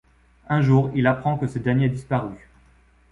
Un jour, il apprend que ce dernier a disparu.